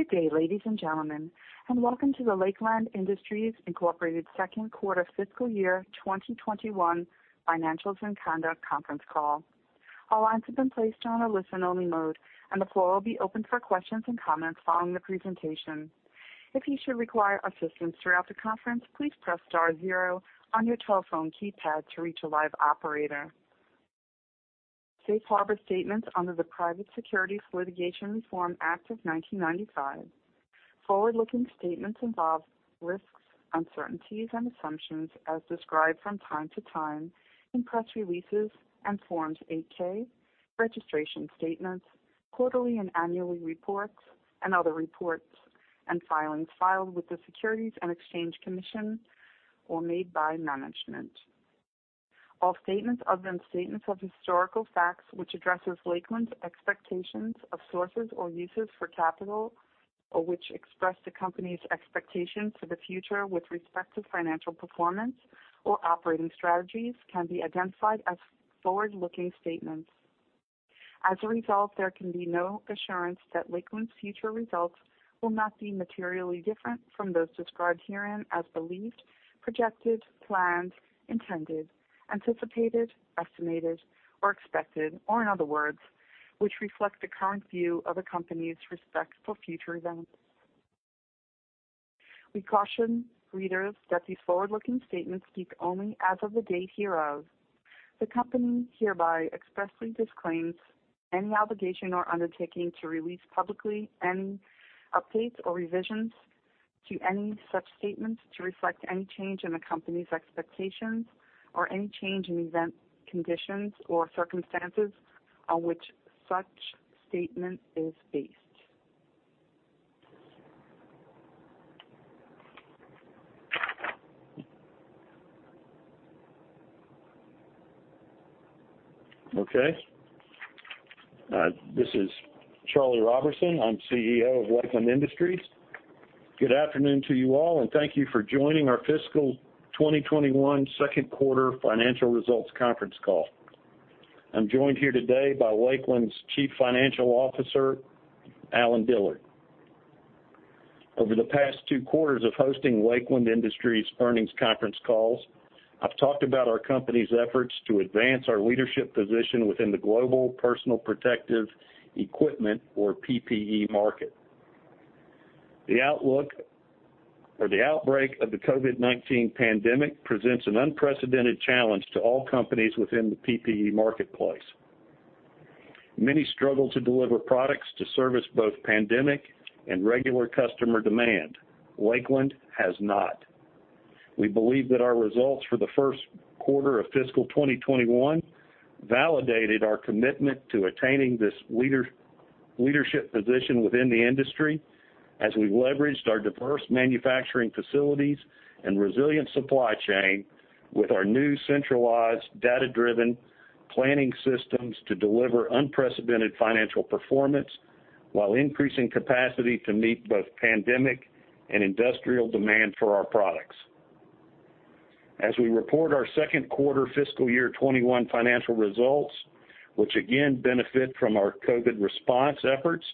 Good day, ladies and gentlemen, and welcome to the Lakeland Industries, Inc. second quarter fiscal year 2021 financials and conduct conference call. All lines have been placed on a listen-only mode, and the floor will be open for questions and comments following the presentation. If you should require assistance throughout the conference, please press star zero on your telephone keypad to reach a live operator. Safe Harbor statements under the Private Securities Litigation Reform Act of 1995. Forward-looking statements involve risks, uncertainties, and assumptions as described from time to time in press releases and Form 8-K, registration statements, quarterly and annual reports, and other reports and filings filed with the Securities and Exchange Commission or made by management. All statements other than statements of historical facts which addresses Lakeland's expectations of sources or uses for capital, or which express the company's expectations for the future with respect to financial performance or operating strategies can be identified as forward-looking statements. As a result, there can be no assurance that Lakeland's future results will not be materially different from those described herein as believed, projected, planned, intended, anticipated, estimated, or expected, or in other words, which reflect the current view of a company's respect for future events. We caution readers that these forward-looking statements speak only as of the date hereof. The company hereby expressly disclaims any obligation or undertaking to release publicly any updates or revisions to any such statements to reflect any change in the company's expectations or any change in event conditions or circumstances on which such statement is based. Okay. This is Charlie Roberson. I'm CEO of Lakeland Industries. Good afternoon to you all, and thank you for joining our fiscal 2021 second quarter financial results conference call. I'm joined here today by Lakeland's Chief Financial Officer, Allen Dillard. Over the past two quarters of hosting Lakeland Industries earnings conference calls, I've talked about our company's efforts to advance our leadership position within the global personal protective equipment or PPE market. The outlook or the outbreak of the COVID-19 pandemic presents an unprecedented challenge to all companies within the PPE marketplace. Many struggle to deliver products to service both pandemic and regular customer demand. Lakeland has not. We believe that our results for the first quarter of fiscal 2021 validated our commitment to attaining this leadership position within the industry as we leveraged our diverse manufacturing facilities and resilient supply chain with our new centralized data-driven planning systems to deliver unprecedented financial performance while increasing capacity to meet both pandemic and industrial demand for our products. As we report our second quarter fiscal year 2021 financial results, which again benefit from our COVID response efforts,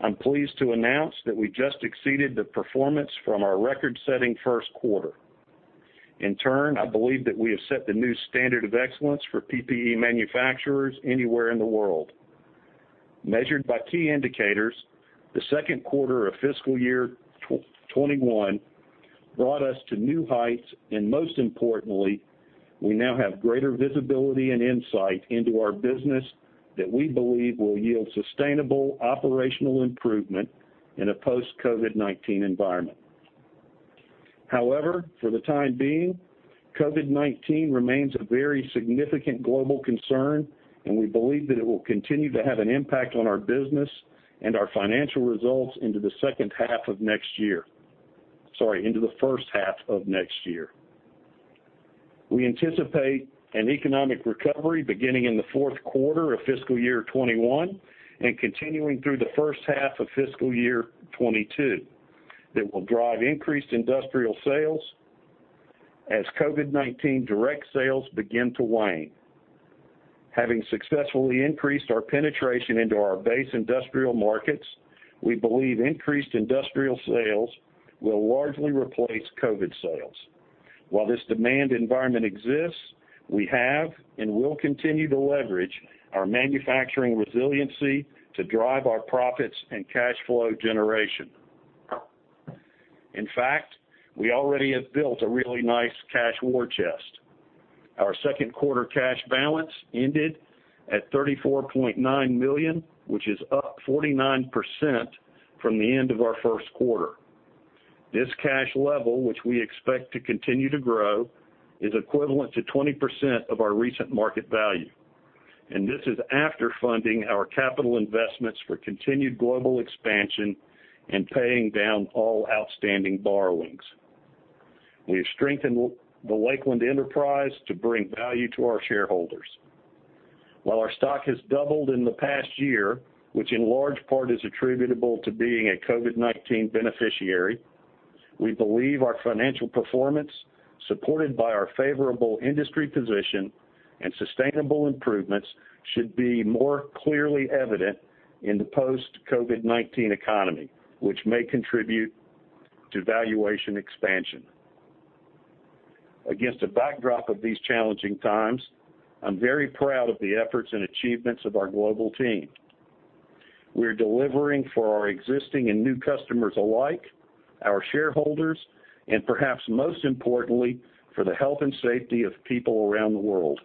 I'm pleased to announce that we just exceeded the performance from our record-setting first quarter. In turn, I believe that we have set the new standard of excellence for PPE manufacturers anywhere in the world. Measured by key indicators, the second quarter of fiscal year 2021 brought us to new heights, and most importantly, we now have greater visibility and insight into our business that we believe will yield sustainable operational improvement in a post-COVID-19 environment. However, for the time being, COVID-19 remains a very significant global concern, and we believe that it will continue to have an impact on our business and our financial results into the second half of next year. Sorry, into the first half of next year. We anticipate an economic recovery beginning in the fourth quarter of fiscal year 2021 and continuing through the first half of fiscal year 2022 that will drive increased industrial sales as COVID-19 direct sales begin to wane. Having successfully increased our penetration into our base industrial markets, we believe increased industrial sales will largely replace COVID sales. While this demand environment exists, we have and will continue to leverage our manufacturing resiliency to drive our profits and cash flow generation. In fact, we already have built a really nice cash war chest. Our second quarter cash balance ended at $34.9 million, which is up 49% from the end of our first quarter. This cash level, which we expect to continue to grow, is equivalent to 20% of our recent market value, and this is after funding our capital investments for continued global expansion and paying down all outstanding borrowings. We've strengthened the Lakeland enterprise to bring value to our shareholders. While our stock has doubled in the past year, which in large part is attributable to being a COVID-19 beneficiary. We believe our financial performance, supported by our favorable industry position and sustainable improvements, should be more clearly evident in the post-COVID-19 economy, which may contribute to valuation expansion. Against a backdrop of these challenging times, I'm very proud of the efforts and achievements of our global team. We're delivering for our existing and new customers alike, our shareholders, and perhaps most importantly, for the health and safety of people around the world.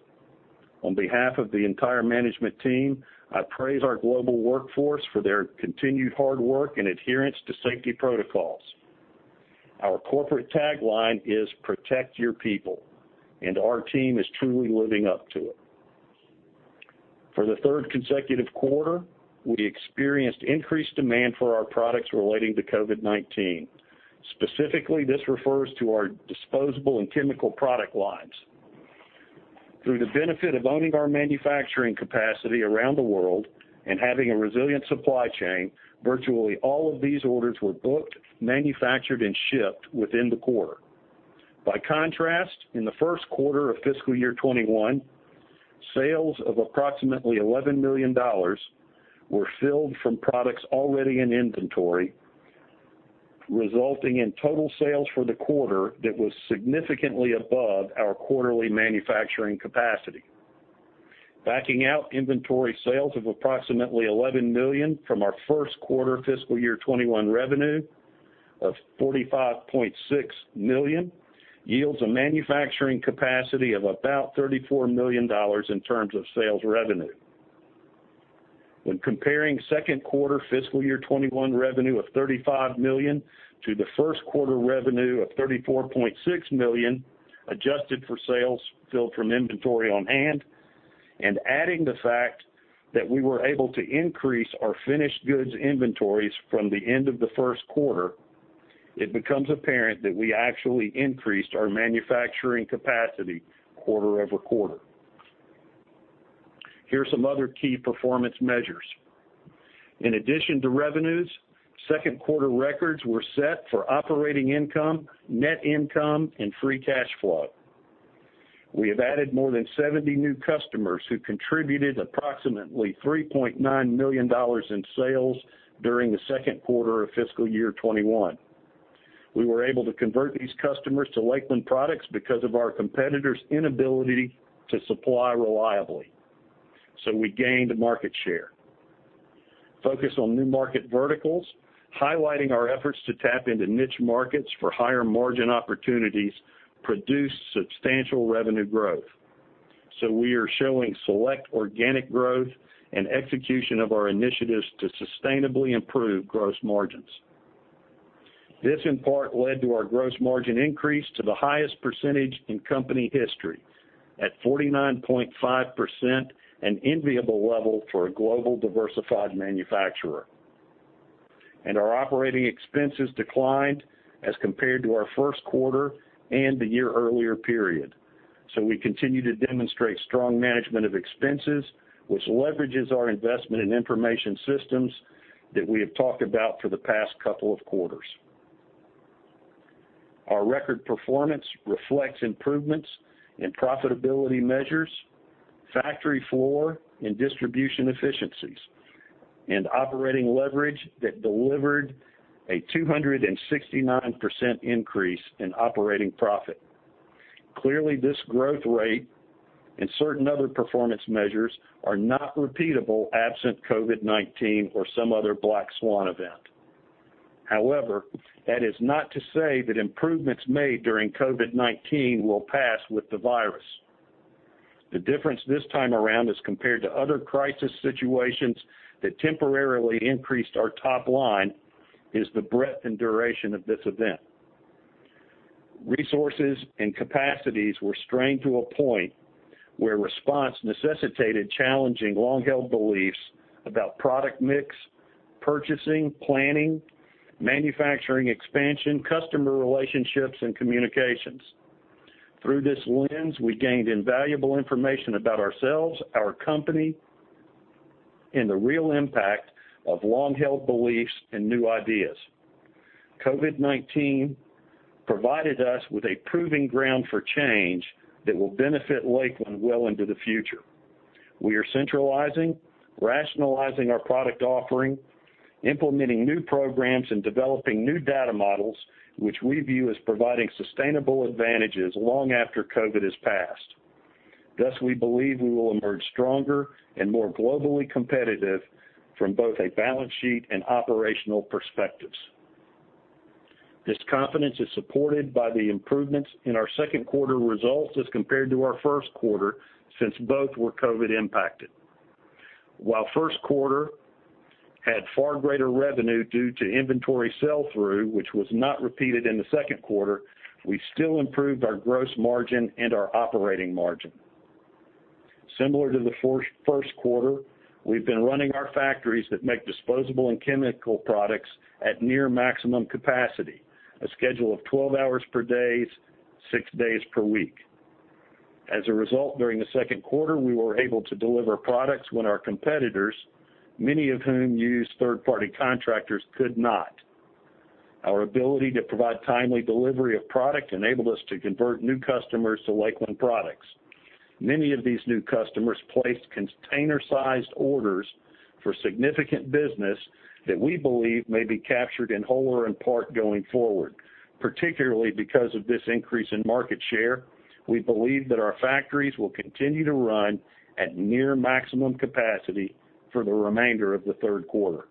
On behalf of the entire management team, I praise our global workforce for their continued hard work and adherence to safety protocols. Our corporate tagline is, "Protect your people," and our team is truly living up to it. For the third consecutive quarter, we experienced increased demand for our products relating to COVID-19. Specifically, this refers to our disposable and chemical product lines. Through the benefit of owning our manufacturing capacity around the world and having a resilient supply chain, virtually all of these orders were booked, manufactured, and shipped within the quarter. By contrast, in the first quarter of fiscal year 2021, sales of approximately $11 million were filled from products already in inventory, resulting in total sales for the quarter that was significantly above our quarterly manufacturing capacity. Backing out inventory sales of approximately $11 million from our first quarter fiscal year 2021 revenue of $45.6 million yields a manufacturing capacity of about $34 million in terms of sales revenue. When comparing second quarter fiscal year 2021 revenue of $35 million to the first quarter revenue of $34.6 million, adjusted for sales filled from inventory on hand, and adding the fact that we were able to increase our finished goods inventories from the end of the first quarter, it becomes apparent that we actually increased our manufacturing capacity quarter-over-quarter. Here's some other key performance measures. In addition to revenues, second quarter records were set for operating income, net income, and free cash flow. We have added more than 70 new customers who contributed approximately $3.9 million in sales during the second quarter of fiscal year 2021. We were able to convert these customers to Lakeland products because of our competitors' inability to supply reliably. We gained market share. Focus on new market verticals, highlighting our efforts to tap into niche markets for higher margin opportunities, produced substantial revenue growth. We are showing select organic growth and execution of our initiatives to sustainably improve gross margins. This, in part, led to our gross margin increase to the highest percentage in company history, at 49.5%, an enviable level for a global diversified manufacturer. Our operating expenses declined as compared to our first quarter and the year earlier period. We continue to demonstrate strong management of expenses, which leverages our investment in information systems that we have talked about for the past couple of quarters. Our record performance reflects improvements in profitability measures, factory floor and distribution efficiencies, and operating leverage that delivered a 269% increase in operating profit. Clearly, this growth rate and certain other performance measures are not repeatable absent COVID-19 or some other black swan event. However, that is not to say that improvements made during COVID-19 will pass with the virus. The difference this time around as compared to other crisis situations that temporarily increased our top line is the breadth and duration of this event. Resources and capacities were strained to a point where response necessitated challenging long-held beliefs about product mix, purchasing, planning, manufacturing expansion, customer relationships, and communications. Through this lens, we gained invaluable information about ourselves, our company, and the real impact of long-held beliefs and new ideas. COVID-19 provided us with a proving ground for change that will benefit Lakeland well into the future. We are centralizing, rationalizing our product offering, implementing new programs, and developing new data models, which we view as providing sustainable advantages long after COVID has passed. We believe we will emerge stronger and more globally competitive from both a balance sheet and operational perspectives. This confidence is supported by the improvements in our second quarter results as compared to our first quarter, since both were COVID impacted. While first quarter had far greater revenue due to inventory sell-through, which was not repeated in the second quarter, we still improved our gross margin and our operating margin. Similar to the first quarter, we've been running our factories that make disposable and chemical products at near maximum capacity, a schedule of 12 hours per day, six days per week. As a result, during the second quarter, we were able to deliver products when our competitors, many of whom use third-party contractors, could not. Our ability to provide timely delivery of product enabled us to convert new customers to Lakeland products. Many of these new customers placed container-sized orders for significant business that we believe may be captured in whole or in part going forward. Particularly because of this increase in market share, we believe that our factories will continue to run at near maximum capacity for the remainder of the third quarter.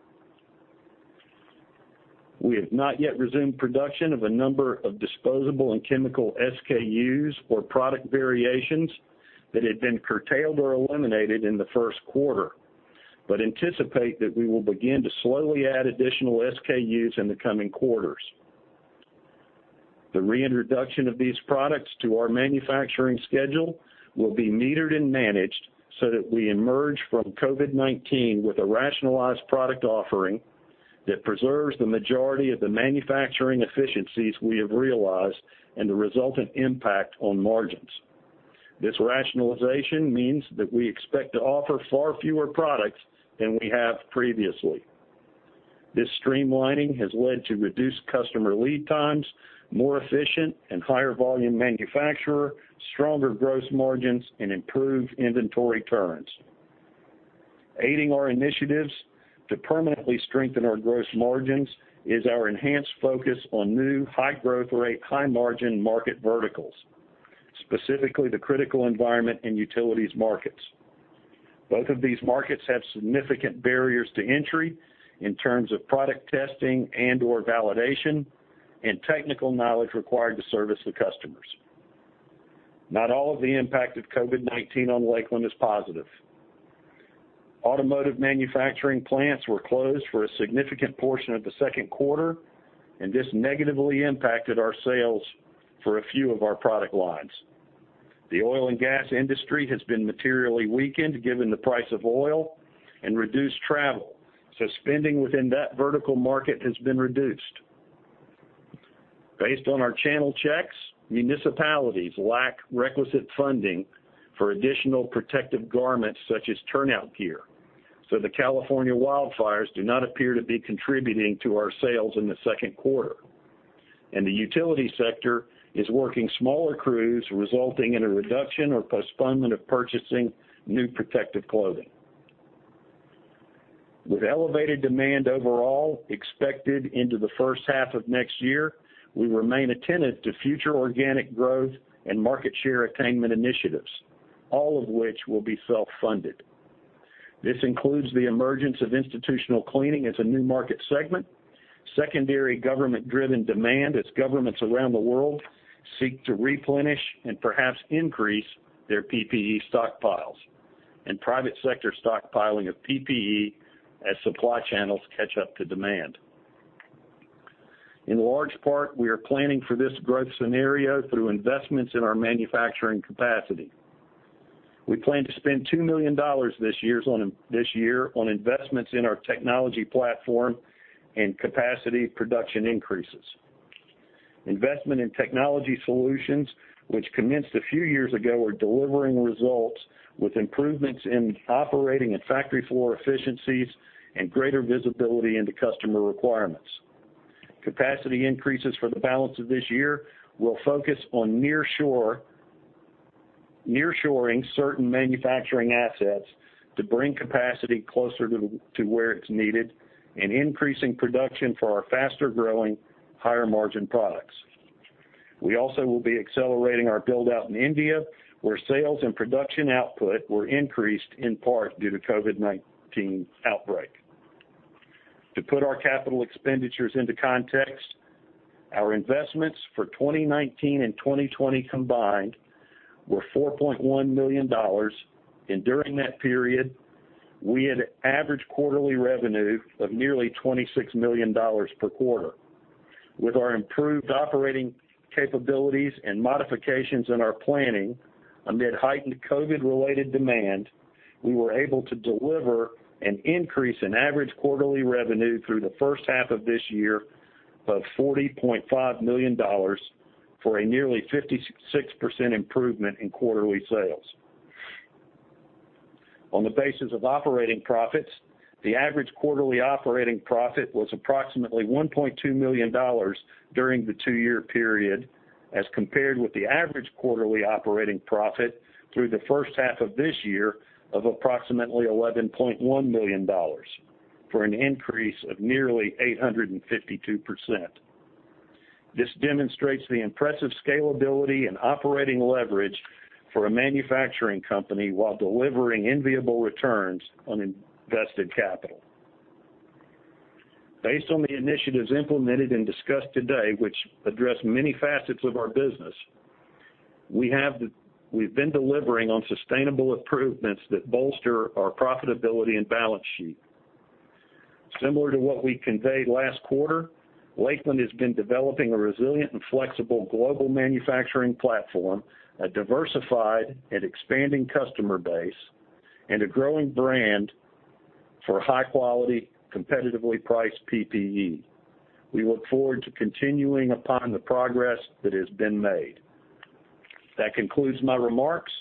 We have not yet resumed production of a number of disposable and chemical SKUs or product variations that had been curtailed or eliminated in the first quarter, but anticipate that we will begin to slowly add additional SKUs in the coming quarters. The reintroduction of these products to our manufacturing schedule will be metered and managed so that we emerge from COVID-19 with a rationalized product offering that preserves the majority of the manufacturing efficiencies we have realized and the resultant impact on margins. This rationalization means that we expect to offer far fewer products than we have previously. This streamlining has led to reduced customer lead times, more efficient and higher volume manufacturer, stronger gross margins, and improved inventory turns. Aiding our initiatives to permanently strengthen our gross margins is our enhanced focus on new high growth rate, high margin market verticals, specifically the critical environment and utilities markets. Both of these markets have significant barriers to entry in terms of product testing and/or validation and technical knowledge required to service the customers. Not all of the impact of COVID-19 on Lakeland is positive. Automotive manufacturing plants were closed for a significant portion of the second quarter, and this negatively impacted our sales for a few of our product lines. The oil and gas industry has been materially weakened given the price of oil and reduced travel. Spending within that vertical market has been reduced. Based on our channel checks, municipalities lack requisite funding for additional protective garments such as turnout gear. The California wildfires do not appear to be contributing to our sales in the second quarter. The utility sector is working smaller crews, resulting in a reduction or postponement of purchasing new protective clothing. With elevated demand overall expected into the first half of next year, we remain attentive to future organic growth and market share attainment initiatives, all of which will be self-funded. This includes the emergence of institutional cleaning as a new market segment, secondary government driven demand as governments around the world seek to replenish and perhaps increase their PPE stockpiles, and private sector stockpiling of PPE as supply channels catch up to demand. In large part, we are planning for this growth scenario through investments in our manufacturing capacity. We plan to spend $2 million this year on investments in our technology platform and capacity production increases. Investment in technology solutions, which commenced a few years ago, are delivering results with improvements in operating and factory floor efficiencies and greater visibility into customer requirements. Capacity increases for the balance of this year will focus on nearshoring certain manufacturing assets to bring capacity closer to where it's needed and increasing production for our faster-growing, higher margin products. We also will be accelerating our build-out in India, where sales and production output were increased in part due to COVID-19 outbreak. To put our capital expenditures into context, our investments for 2019 and 2020 combined were $4.1 million, and during that period, we had average quarterly revenue of nearly $26 million per quarter. With our improved operating capabilities and modifications in our planning amid heightened COVID-related demand, we were able to deliver an increase in average quarterly revenue through the first half of this year of $40.5 million for a nearly 56% improvement in quarterly sales. On the basis of operating profits, the average quarterly operating profit was approximately $1.2 million during the two-year period as compared with the average quarterly operating profit through the first half of this year of approximately $11.1 million, for an increase of nearly 852%. This demonstrates the impressive scalability and operating leverage for a manufacturing company while delivering enviable returns on invested capital. Based on the initiatives implemented and discussed today, which address many facets of our business, we've been delivering on sustainable improvements that bolster our profitability and balance sheet. Similar to what we conveyed last quarter, Lakeland has been developing a resilient and flexible global manufacturing platform, a diversified and expanding customer base, and a growing brand for high quality, competitively priced PPE. We look forward to continuing upon the progress that has been made. That concludes my remarks.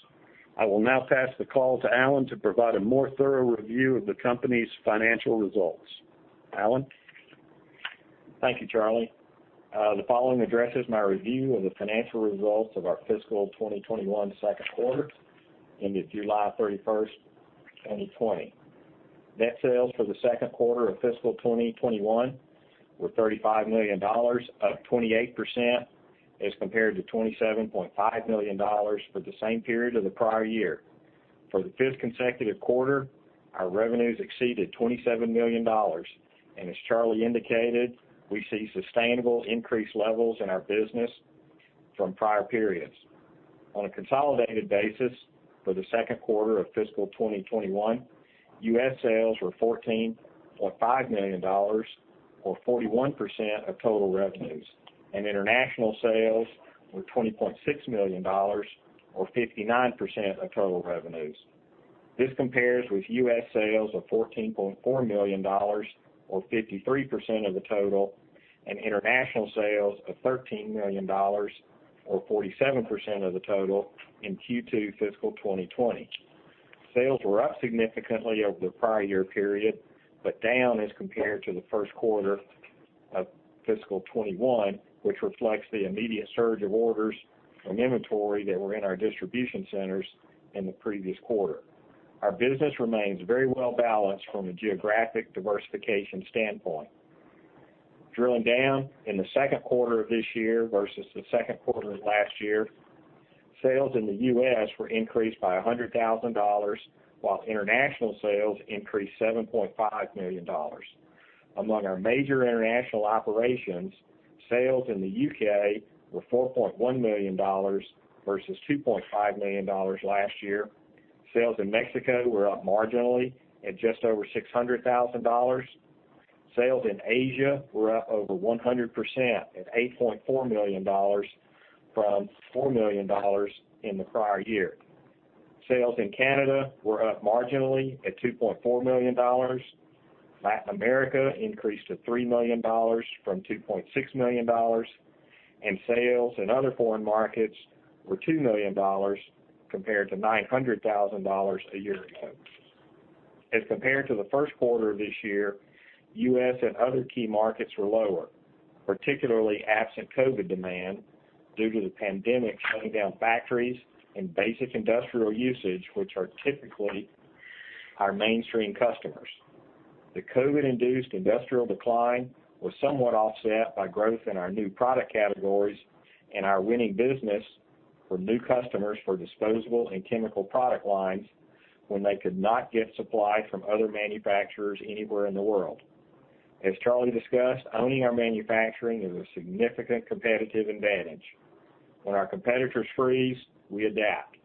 I will now pass the call to Allen to provide a more thorough review of the company's financial results. Allen? Thank you, Charlie. The following addresses my review of the financial results of our fiscal 2021 second quarter ended July 31, 2020. Net sales for the second quarter of fiscal 2021 were $35 million, up 28%, as compared to $27.5 million for the same period of the prior year. For the fifth consecutive quarter, our revenues exceeded $27 million. As Charlie indicated, we see sustainable increased levels in our business from prior periods. On a consolidated basis for the second quarter of fiscal 2021, U.S. sales were $14.5 million, or 41% of total revenues. International sales were $20.6 million, or 59% of total revenues. This compares with U.S. sales of $14.4 million, or 53% of the total, and international sales of $13 million, or 47% of the total, in Q2 fiscal 2020. Sales were up significantly over the prior year period, but down as compared to the first quarter of fiscal 2021, which reflects the immediate surge of orders from inventory that were in our distribution centers in the previous quarter. Our business remains very well-balanced from a geographic diversification standpoint. Drilling down, in the second quarter of this year versus the second quarter of last year, sales in the U.S. were increased by $100,000, while international sales increased $7.5 million. Among our major international operations, sales in the U.K. were $4.1 million versus $2.5 million last year. Sales in Mexico were up marginally at just over $600,000. Sales in Asia were up over 100% at $8.4 million from $4 million in the prior year. Sales in Canada were up marginally at $2.4 million. Latin America increased to $3 million from $2.6 million. Sales in other foreign markets were $2 million compared to $900,000 a year ago. As compared to the first quarter of this year, U.S. and other key markets were lower, particularly absent COVID demand due to the pandemic shutting down factories and basic industrial usage, which are typically our mainstream customers. The COVID-induced industrial decline was somewhat offset by growth in our new product categories and our winning business for new customers for disposable and chemical product lines when they could not get supply from other manufacturers anywhere in the world. As Charlie discussed, owning our manufacturing is a significant competitive advantage. When our competitors freeze, we adapt.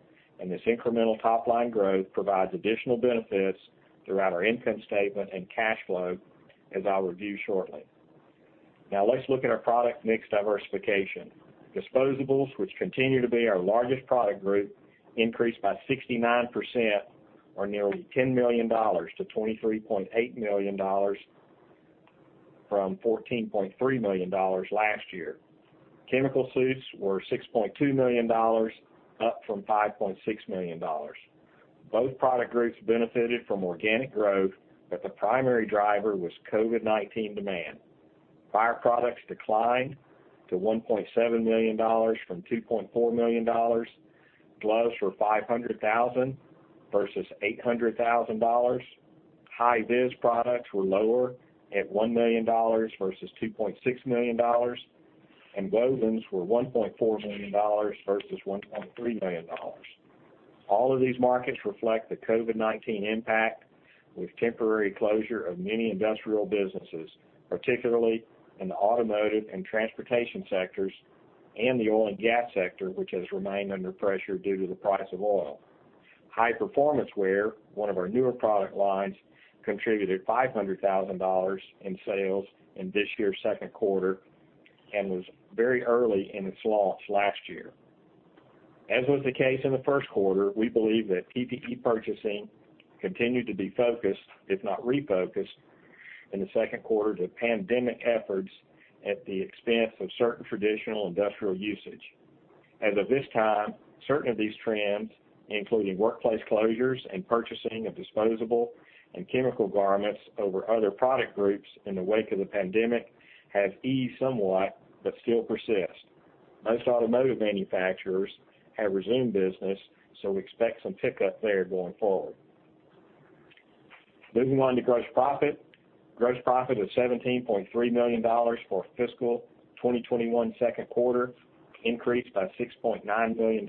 This incremental top-line growth provides additional benefits throughout our income statement and cash flow, as I'll review shortly. Now let's look at our product mix diversification. Disposables, which continue to be our largest product group, increased by 69%, or nearly $10 million, to $23.8 million from $14.3 million last year. Chemical suits were $6.2 million, up from $5.6 million. Both product groups benefited from organic growth, but the primary driver was COVID-19 demand. Fire products declined to $1.7 million from $2.4 million. Gloves were $500,000 versus $800,000. Hi-Viz products were lower at $1 million versus $2.6 million, and wovens were $1.4 million versus $1.3 million. All of these markets reflect the COVID-19 impact with temporary closure of many industrial businesses, particularly in the automotive and transportation sectors and the oil and gas sector, which has remained under pressure due to the price of oil. High Performance Wear, one of our newer product lines, contributed $500,000 in sales in this year's second quarter and was very early in its launch last year. As was the case in the first quarter, we believe that PPE purchasing continued to be focused, if not refocused, in the second quarter to pandemic efforts at the expense of certain traditional industrial usage. As of this time, certain of these trends, including workplace closures and purchasing of disposable and chemical garments over other product groups in the wake of the pandemic, have eased somewhat but still persist. Most automotive manufacturers have resumed business, we expect some pickup there going forward. Moving on to gross profit. Gross profit of $17.3 million for fiscal 2021 second quarter increased by $6.9 million,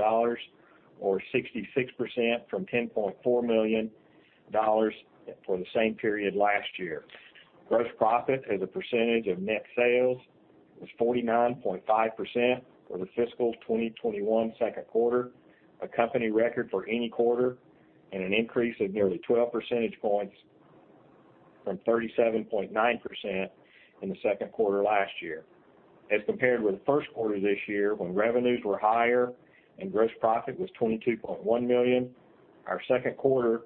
or 66%, from $10.4 million for the same period last year. Gross profit as a percentage of net sales was 49.5% for the fiscal 2021 second quarter, a company record for any quarter, and an increase of nearly 12 percentage points from 37.9% in the second quarter last year. As compared with first quarter this year, when revenues were higher and gross profit was $22.1 million, our second quarter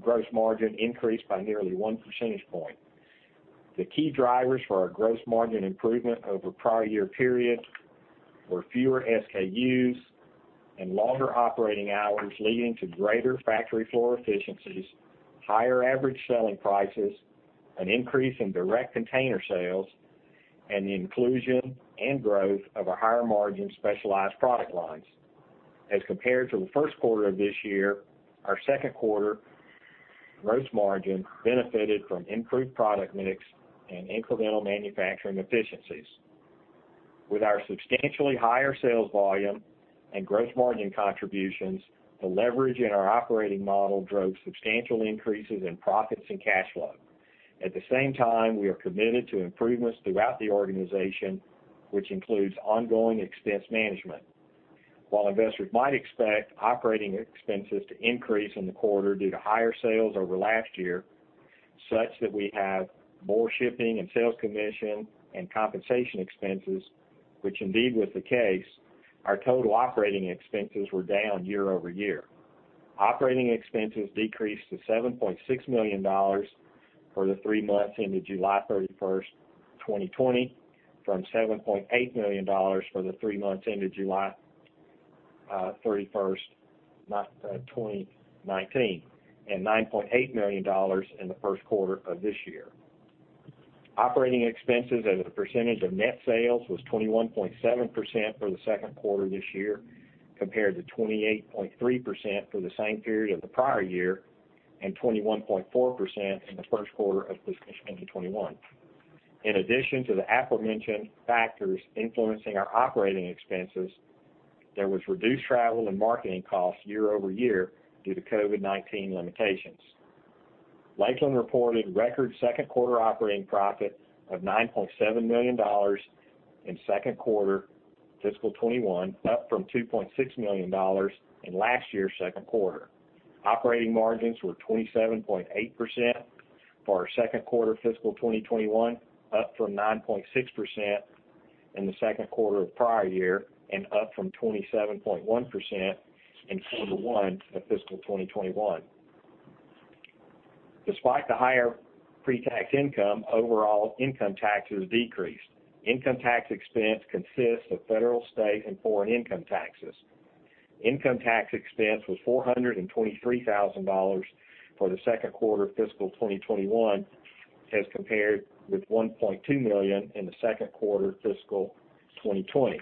gross margin increased by nearly one percentage point. The key drivers for our gross margin improvement over prior year period were fewer SKUs and longer operating hours, leading to greater factory floor efficiencies, higher average selling prices, an increase in direct container sales, and the inclusion and growth of our higher margin specialized product lines. As compared to the first quarter of this year, our second quarter gross margin benefited from improved product mix and incremental manufacturing efficiencies. With our substantially higher sales volume and gross margin contributions, the leverage in our operating model drove substantial increases in profits and cash flow. At the same time, we are committed to improvements throughout the organization, which includes ongoing expense management. While investors might expect operating expenses to increase in the quarter due to higher sales over last year, such that we have more shipping and sales commission and compensation expenses, which indeed was the case, our total operating expenses were down year-over-year. Operating expenses decreased to $7.6 million for the three months ended July 31st, 2020, from $7.8 million for the three months ended July 31st, 2019, and $9.8 million in the first quarter of this year. Operating expenses as a percentage of net sales was 21.7% for the second quarter this year, compared to 28.3% for the same period of the prior year and 21.4% in the first quarter of 2021. In addition to the aforementioned factors influencing our operating expenses, there was reduced travel and marketing costs year-over-year due to COVID-19 limitations. Lakeland reported record second quarter operating profit of $9.7 million in second quarter fiscal 2021, up from $2.6 million in last year's second quarter. Operating margins were 27.8% for our second quarter fiscal 2021, up from 9.6% in the second quarter of prior year and up from 27.1% in quarter one of fiscal 2021. Despite the higher pre-tax income, overall income taxes decreased. Income tax expense consists of federal, state, and foreign income taxes. Income tax expense was $423,000 for the second quarter fiscal 2021, as compared with $1.2 million in the second quarter fiscal 2020.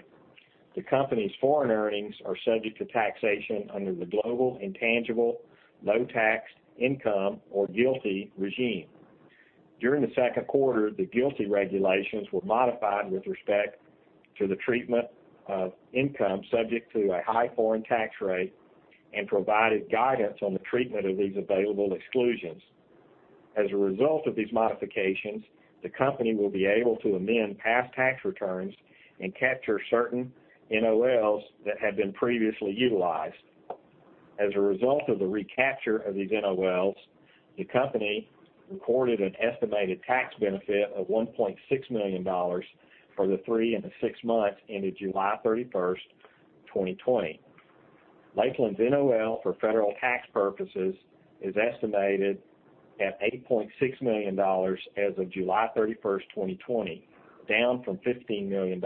The company's foreign earnings are subject to taxation under the global intangible low tax income, or GILTI, regime. During the second quarter, the GILTI regulations were modified with respect to the treatment of income subject to a high foreign tax rate and provided guidance on the treatment of these available exclusions. As a result of these modifications, the company will be able to amend past tax returns and capture certain NOLs that had been previously utilized. As a result of the recapture of these NOLs, the company recorded an estimated tax benefit of $1.6 million for the three and the six months ended July 31st, 2020. Lakeland's NOL for federal tax purposes is estimated at $8.6 million as of July 31st, 2020, down from $15 million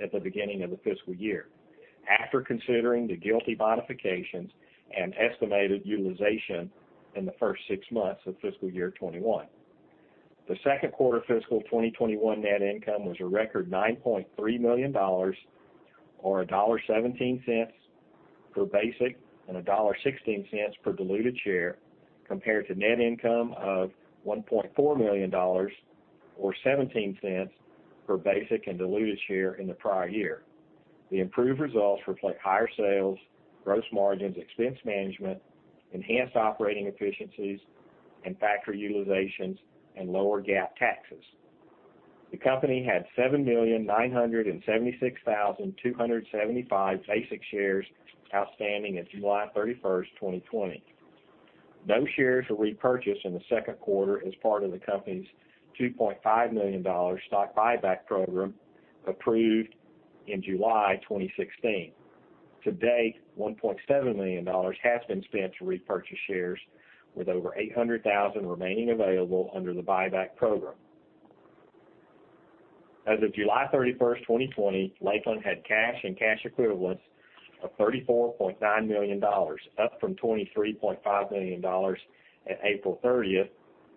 at the beginning of the fiscal year, after considering the GILTI modifications and estimated utilization in the first six months of fiscal year 2021. The second quarter fiscal 2021 net income was a record $9.3 million, or $1.17 per basic and $1.16 per diluted share, compared to net income of $1.4 million or $0.17 per basic and diluted share in the prior year. The improved results reflect higher sales, gross margins, expense management, enhanced operating efficiencies and factory utilizations, and lower GAAP taxes. The company had 7,976,275 basic shares outstanding as of July 31st, 2020. No shares were repurchased in the second quarter as part of the company's $2.5 million stock buyback program approved in July 2016. To date, $1.7 million has been spent to repurchase shares, with over 800,000 remaining available under the buyback program. As of July 31st, 2020, Lakeland had cash and cash equivalents of $34.9 million, up from $23.5 million at April 30th,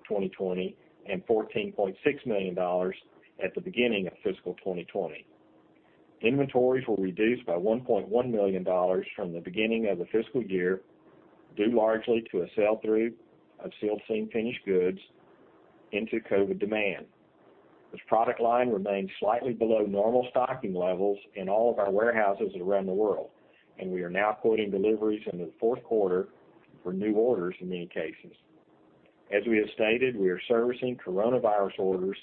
2020, and $14.6 million at the beginning of fiscal 2020. Inventories were reduced by $1.1 million from the beginning of the fiscal year, due largely to a sell-through of sealed seam finished goods into COVID demand. This product line remains slightly below normal stocking levels in all of our warehouses around the world. We are now quoting deliveries into the fourth quarter for new orders in many cases. As we have stated, we are servicing coronavirus orders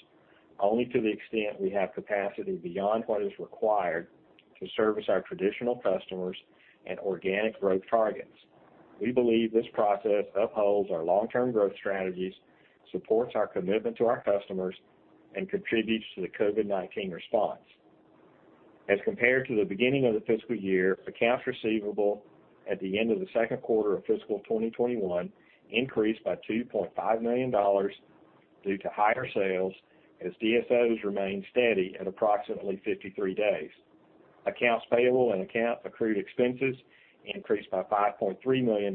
only to the extent we have capacity beyond what is required to service our traditional customers and organic growth targets. We believe this process upholds our long-term growth strategies, supports our commitment to our customers, and contributes to the COVID-19 response. As compared to the beginning of the fiscal year, accounts receivable at the end of the second quarter of fiscal 2021 increased by $2.5 million due to higher sales, as DSOs remained steady at approximately 53 days. Accounts payable and accrued expenses increased by $5.3 million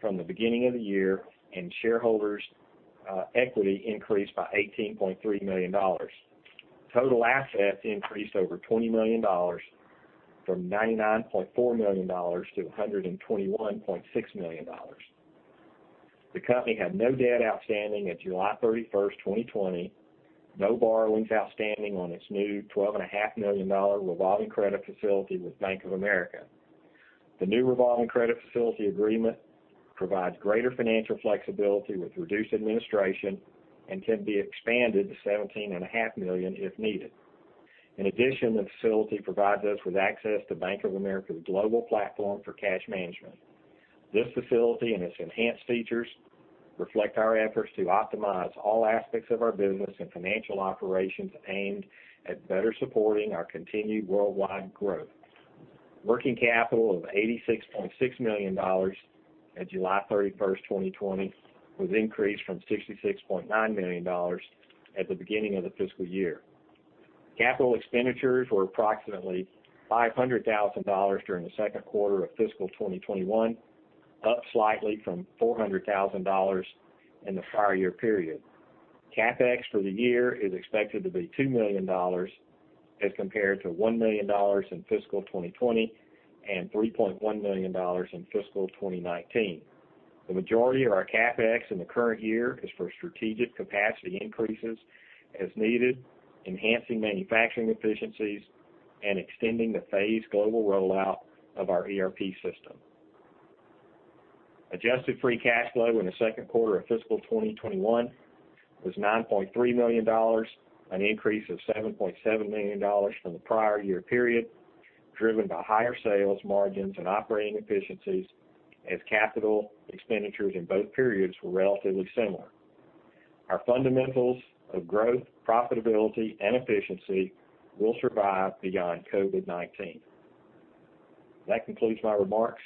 from the beginning of the year, and shareholders' equity increased by $18.3 million. Total assets increased over $20 million, from $99.4 million to $121.6 million. The company had no debt outstanding at July 31st, 2020, no borrowings outstanding on its new $12.5 million revolving credit facility with Bank of America. The new revolving credit facility agreement provides greater financial flexibility with reduced administration and can be expanded to $17.5 million if needed. In addition, the facility provides us with access to Bank of America's global platform for cash management. This facility and its enhanced features reflect our efforts to optimize all aspects of our business and financial operations aimed at better supporting our continued worldwide growth. Working capital of $86.6 million as of July 31st, 2020, was increased from $66.9 million at the beginning of the fiscal year. Capital expenditures were approximately $500,000 during the second quarter of fiscal 2021, up slightly from $400,000 in the prior year period. CapEx for the year is expected to be $2 million as compared to $1 million in fiscal 2020, and $3.1 million in fiscal 2019. The majority of our CapEx in the current year is for strategic capacity increases as needed, enhancing manufacturing efficiencies, and extending the phased global rollout of our ERP system. Adjusted free cash flow in the second quarter of fiscal 2021 was $9.3 million, an increase of $7.7 million from the prior year period, driven by higher sales margins and operating efficiencies, as capital expenditures in both periods were relatively similar. Our fundamentals of growth, profitability, and efficiency will survive beyond COVID-19. That concludes my remarks.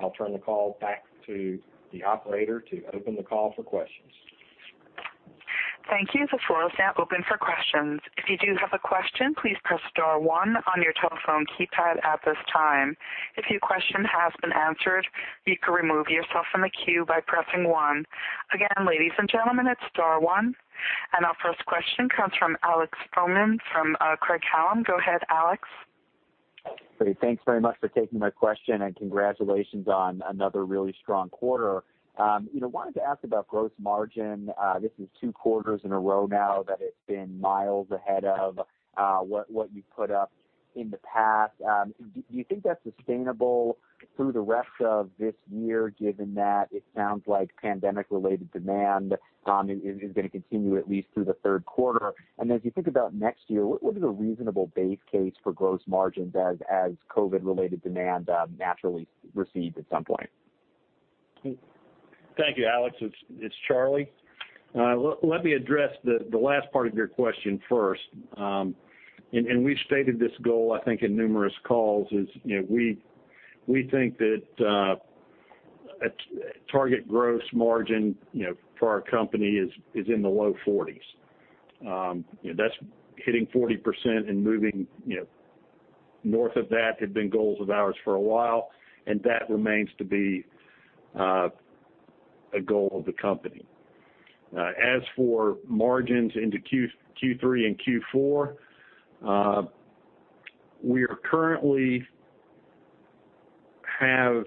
I'll turn the call back to the operator to open the call for questions. Thank you. The floor is now open for questions If you have question please press star one on your telephone keypad at this time, if your question has been answered you can remove yourself from the queue by pressing one. Again ladies and gentlemen is star one. Our first question comes from Alex Fuhrman from Craig-Hallum. Go ahead, Alex. Great. Thanks very much for taking my question, congratulations on another really strong quarter. I wanted to ask about gross margin. This is two quarters in a row now that it's been miles ahead of what you put up in the past. Do you think that's sustainable through the rest of this year, given that it sounds like pandemic-related demand is going to continue at least through the third quarter? As you think about next year, what is a reasonable base case for gross margins as COVID-related demand naturally recedes at some point? Thank you, Alex. It's Charlie. Let me address the last part of your question first. We've stated this goal, I think, in numerous calls is we think that a target gross margin for our company is in the low 40s. That's hitting 40% and moving north of that had been goals of ours for a while, and that remains to be a goal of the company. As for margins into Q3 and Q4, we currently have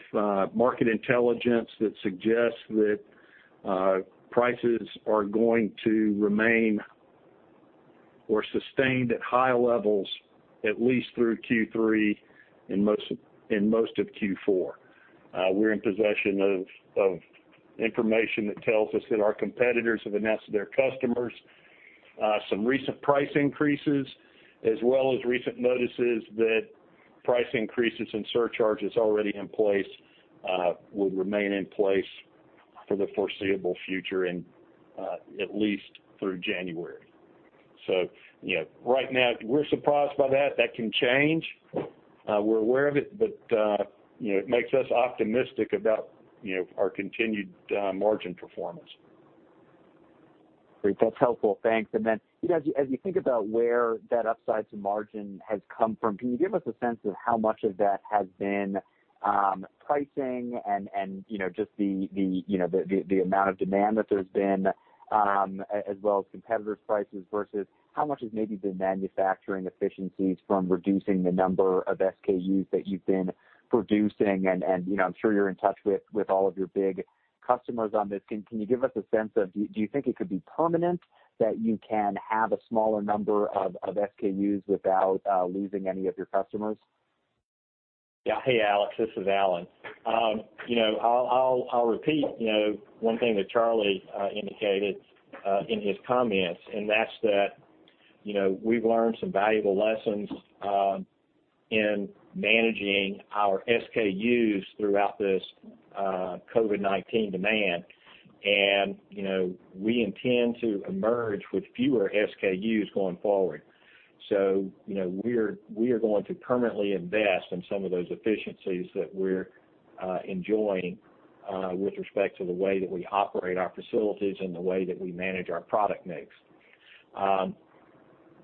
market intelligence that suggests that prices are going to remain or sustained at high levels at least through Q3 and most of Q4. We're in possession of information that tells us that our competitors have announced to their customers some recent price increases, as well as recent notices that price increases and surcharges already in place will remain in place for the foreseeable future and at least through January. Right now, we're surprised by that. That can change. We're aware of it, but it makes us optimistic about our continued margin performance. Great. That's helpful. Thanks. As you think about where that upside to margin has come from, can you give us a sense of how much of that has been pricing and just the amount of demand that there's been, as well as competitors' prices, versus how much has maybe been manufacturing efficiencies from reducing the number of SKUs that you've been producing? I'm sure you're in touch with all of your big customers on this. Can you give us a sense of do you think it could be permanent that you can have a smaller number of SKUs without losing any of your customers? Yeah. Hey, Alex. This is Allan. I'll repeat one thing that Charlie indicated in his comments, and that's that we've learned some valuable lessons in managing our SKUs throughout this COVID-19 demand. We intend to emerge with fewer SKUs going forward. We are going to permanently invest in some of those efficiencies that we're enjoying with respect to the way that we operate our facilities and the way that we manage our product mix.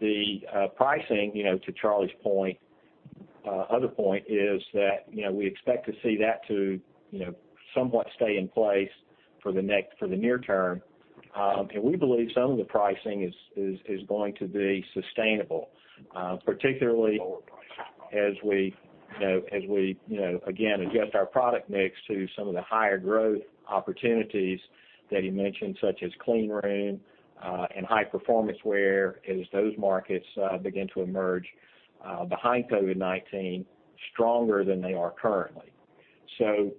The pricing, to Charlie's other point, is that we expect to see that to somewhat stay in place for the near term. We believe some of the pricing is going to be sustainable, particularly as we, again, adjust our product mix to some of the higher growth opportunities that he mentioned, such as clean room and high performance wear, as those markets begin to emerge behind COVID-19 stronger than they are currently. To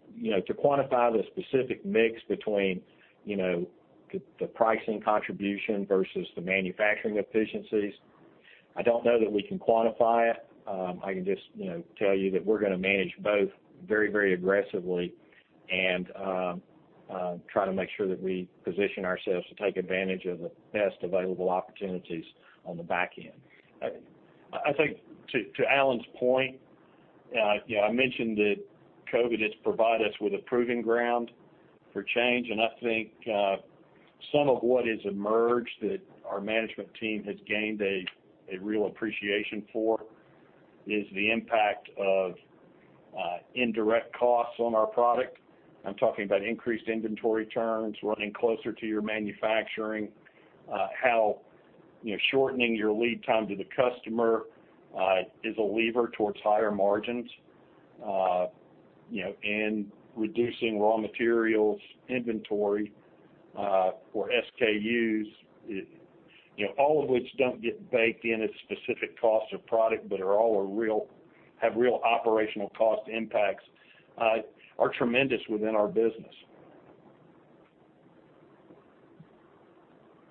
quantify the specific mix between the pricing contribution versus the manufacturing efficiencies, I don't know that we can quantify it. I can just tell you that we're going to manage both very aggressively and try to make sure that we position ourselves to take advantage of the best available opportunities on the back end. I think to Allen's point, I mentioned that COVID has provided us with a proving ground for change. I think some of what has emerged that our management team has gained a real appreciation for, is the impact of indirect costs on our product. I'm talking about increased inventory turns, running closer to your manufacturing, how shortening your lead time to the customer is a lever towards higher margins, and reducing raw materials inventory for SKUs. All of which don't get baked in at specific costs of product, but have real operational cost impacts are tremendous within our business.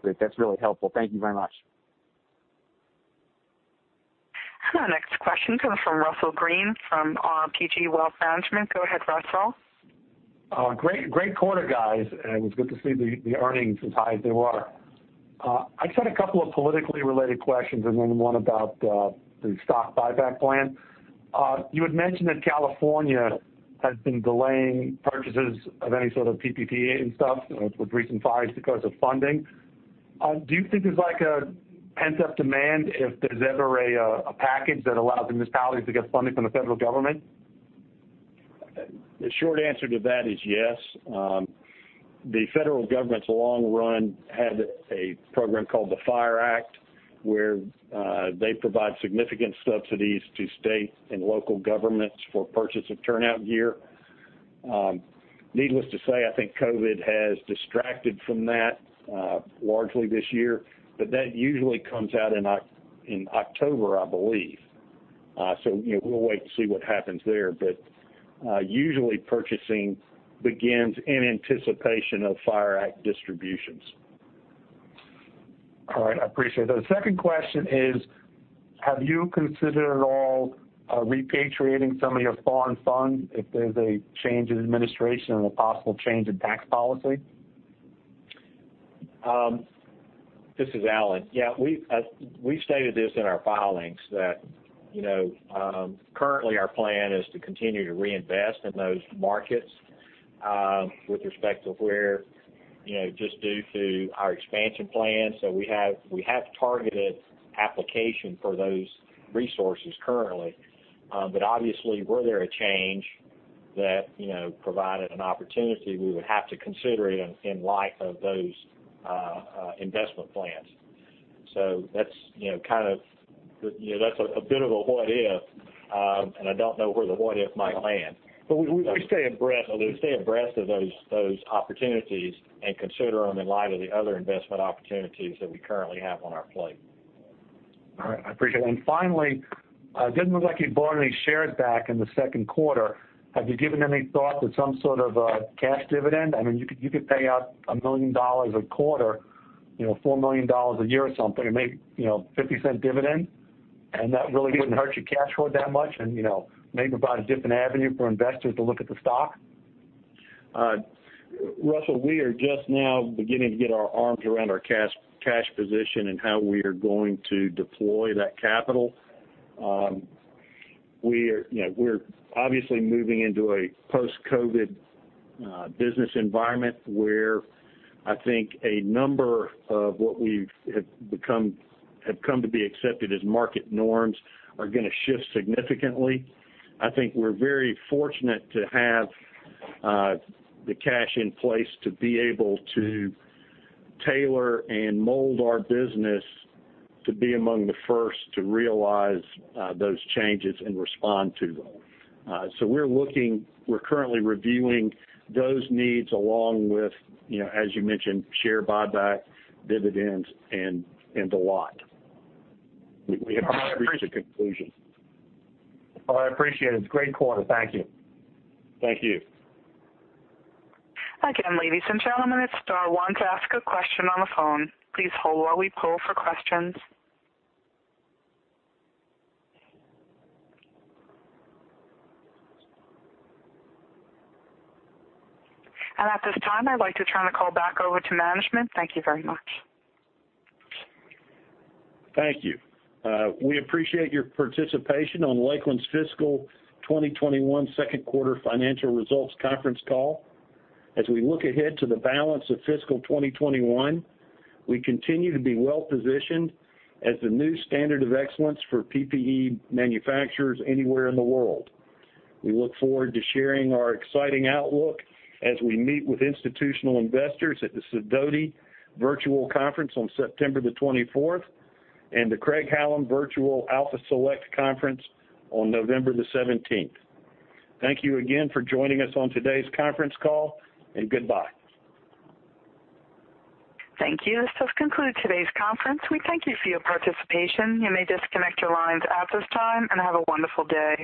Great. That's really helpful. Thank you very much. Our next question comes from Russell Green from RPG Wealth Management. Go ahead, Russell. Great quarter, guys. It was good to see the earnings as high as they were. I just had a couple of politically related questions and then one about the stock buyback plan. You had mentioned that California has been delaying purchases of any sort of PPE and stuff of recent fires because of funding. Do you think there's a pent-up demand if there's ever a package that allows the municipalities to get funding from the federal government? The short answer to that is yes. The federal government's long run had a program called the FIRE Act, where they provide significant subsidies to state and local governments for purchase of turnout gear. Needless to say, I think COVID has distracted from that largely this year, but that usually comes out in October, I believe. We'll wait to see what happens there. Usually purchasing begins in anticipation of FIRE Act distributions. All right. I appreciate that. The second question is, have you considered at all repatriating some of your foreign funds if there's a change in administration and a possible change in tax policy? This is Allen. Yeah. We've stated this in our filings that currently our plan is to continue to reinvest in those markets with respect to where just due to our expansion plans. We have targeted application for those resources currently. Obviously, were there a change that provided an opportunity, we would have to consider it in light of those investment plans. That's a bit of a what if, and I don't know where the what if might land. We stay abreast of those opportunities and consider them in light of the other investment opportunities that we currently have on our plate. All right. I appreciate it. Finally, it doesn't look like you bought any shares back in the second quarter. Have you given any thought to some sort of a cash dividend? You could pay out $1 million a quarter, $4 million a year or something and make $0.50 dividend, and that really wouldn't hurt your cash flow that much, and maybe provide a different avenue for investors to look at the stock. Russell, we are just now beginning to get our arms around our cash position and how we are going to deploy that capital. We're obviously moving into a post-COVID business environment where I think a number of what we've come to be accepted as market norms are going to shift significantly. I think we're very fortunate to have the cash in place to be able to tailor and mold our business to be among the first to realize those changes and respond to them. We're currently reviewing those needs along with, as you mentioned, share buyback dividends and the lot. We have not reached a conclusion. All right. I appreciate it. It's a great quarter. Thank you. Thank you. Again, ladies and gentlemen, it's star one to ask a question on the phone, please hold when we pull for question. At this time, I'd like to turn the call back over to management. Thank you very much. Thank you. We appreciate your participation on Lakeland's fiscal 2021 second quarter financial results conference call. As we look ahead to the balance of fiscal 2021, we continue to be well positioned as the new standard of excellence for PPE manufacturers anywhere in the world. We look forward to sharing our exciting outlook as we meet with institutional investors at the Sidoti Virtual Conference on September 24th, and the Craig-Hallum Virtual Alpha Select Conference on November 17th. Thank you again for joining us on today's conference call, and goodbye. Thank you. This does conclude today's conference. We thank you for your participation. You may disconnect your lines at this time, and have a wonderful day.